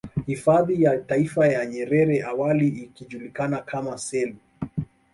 Hifadhi ya Taifa ya Nyerere awali ikijulikana kama selou